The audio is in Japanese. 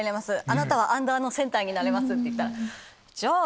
あなたはアンダーのセンターになれますっていったらじゃあ